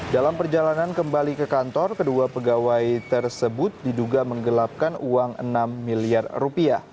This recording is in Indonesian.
dalam perjalanan kembali ke kantor kedua pegawai tersebut diduga menggelapkan uang enam miliar rupiah